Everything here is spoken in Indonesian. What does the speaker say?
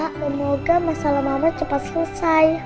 semoga masalah mama cepat selesai